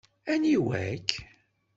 Aniwa-k?